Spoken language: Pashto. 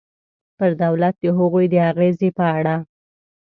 پر دولت د هغوی د اغېزې په اړه.